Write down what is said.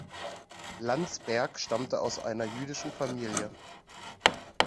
Landsberg stammte aus einer jüdischen Familie.